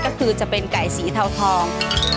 ก็คือจะเป็นไก่สีเทาทอง